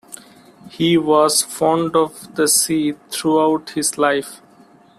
He was fond of the sea throughout his life.